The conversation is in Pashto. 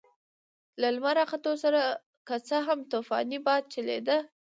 له لمر راختلو سره که څه هم طوفاني باد چلېده.